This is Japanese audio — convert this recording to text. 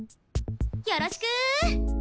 よろしく。